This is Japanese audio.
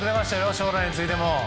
将来についても。